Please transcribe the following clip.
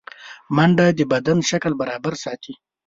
منډه د بدن شکل برابر ساتي